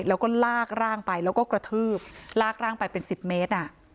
แล้วก็ลากร่างไปแล้วก็กระทืบลากร่างไปเป็น๑๐เมตร